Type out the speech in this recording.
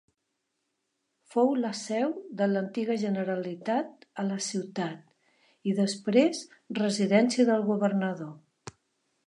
Fou la seu de l'antiga Generalitat a la ciutat i després residència del governador.